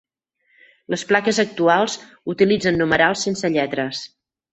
Les plaques actuals utilitzen numerals sense lletres.